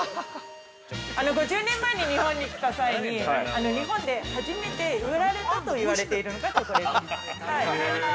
◆５０年前に日本に来た際に日本で初めて売られたと言われているのがチョコレートミントです。